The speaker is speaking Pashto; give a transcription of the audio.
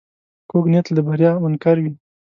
کوږ نیت له بریا منکر وي